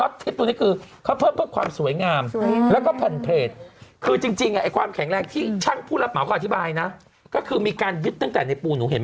ทริปตัวนี้คือเขาเพิ่มเพื่อความสวยงามแล้วก็แผ่นเพจคือจริงไอ้ความแข็งแรงที่ช่างผู้รับเหมาเขาอธิบายนะก็คือมีการยึดตั้งแต่ในปูหนูเห็น